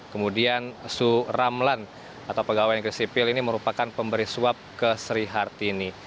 kemudian su ramlan atau pegawai negeri sipil ini merupakan pemberi suap ke sri hartini